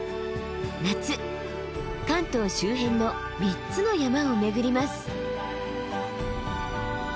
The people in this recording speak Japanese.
夏関東周辺の３つの山を巡ります。